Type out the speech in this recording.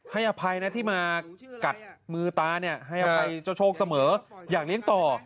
อภัยนะที่มากัดมือตาเนี่ยให้อภัยเจ้าโชคเสมออยากเลี้ยงต่อ